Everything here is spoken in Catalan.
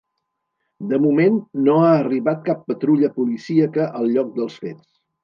De moment no ha arribat cap patrulla policíaca al lloc dels fets.